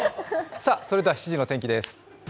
それでは７時の天気です。